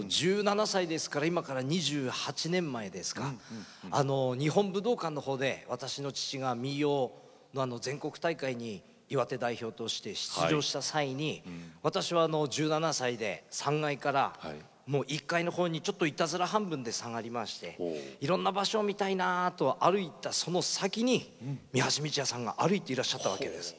１７歳ですから今から２８年前ですか日本武道館のほうで私の父が民謡の全国大会に岩手代表として出場した際に私は、１７歳で３階から１回のほうにいたずら半分で下がりましていろんな場所を見たいなと歩いたその先に三橋美智也さんが歩いていらっしゃったわけです。